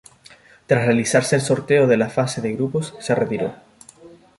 Tras realizarse el sorteo de la fase de grupos, se retiró.